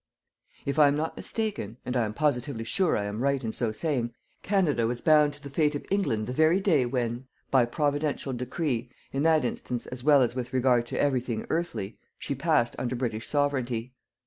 If I am not mistaken and I am positively sure I am right in so saying Canada was bound to the fate of England the very day when by Providential decree, in that instance as well as with regard to everything earthly she passed under British Sovereignty.